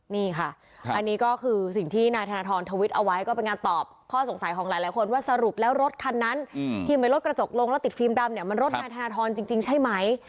นี่ค่ะอันนี้ก็คือสิ่งที่นายธนทรทวิตเอาไว้ก็เป็นการตอบข้อสงสัยของหลายคนว่าสรุปแล้วรถคันนั้นที่ไม่ลดกระจกลงแล้วติดฟิล์มดำเนี่ยมันรถนายธนทรจริงใช่ไหม